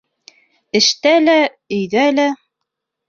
Эштә лә, өйҙә лә...